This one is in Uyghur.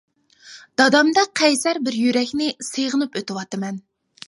دادامدەك قەيسەر بىر يۈرەكنى سېغىنىپ ئۆتۈۋاتىمەن.